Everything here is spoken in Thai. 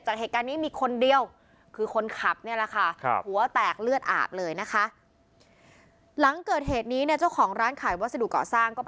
เหตุการณ์นี้มีคนเดียวคือคนขับเนี่ยแหละค่ะหัวแตกเลือดอาบเลยนะคะหลังเกิดเหตุนี้เนี่ยเจ้าของร้านขายวัสดุเกาะสร้างก็